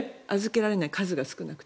数が少なくて。